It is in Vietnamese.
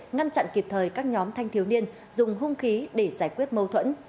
ngăn chặn kịp thời các nhóm thanh thiếu niên dùng hung khí để giải quyết mâu thuẫn